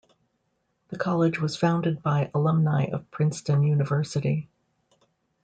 The college was founded by alumni of Princeton University.